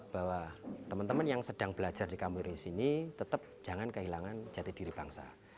bahwa teman teman yang sedang belajar di kampung di sini tetap jangan kehilangan jati diri bangsa